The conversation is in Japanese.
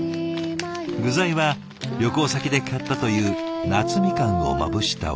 具材は旅行先で買ったという夏みかんをまぶしたワカメ。